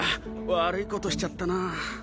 悪いことしちゃったなぁ。